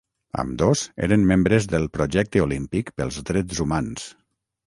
Ambdós eren membres del Projecte Olímpic pels Drets Humans.